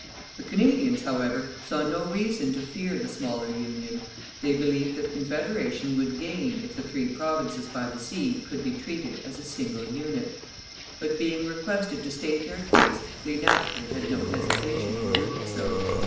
The Canadians, however, saw no reason to fear the smaller union. They believed that Confederation would gain if the three provinces by the sea could be treated as a single unit. But, being requested to state their case, they naturally had no hesitation in doing so.